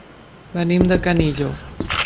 Venim de Canillo.